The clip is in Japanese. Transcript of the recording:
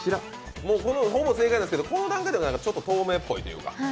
ほぼ正解なんですけど、この段階では透明っぽいというか。